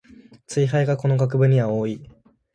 ツイ廃がこの学部には多い